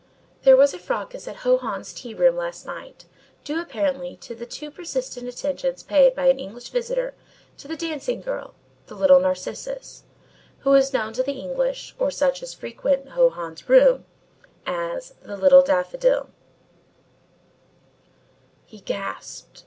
"There was a fracas at Ho Hans's tea room last night, due apparently to the too persistent attentions paid by an English visitor to the dancing girl, the little Narcissus, who is known to the English, or such as frequent Ho Hans's rooms, as The Little Daffodil " He gasped.